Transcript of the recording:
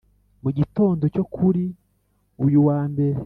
mu gitondo cyo kuri uyu wa mbere,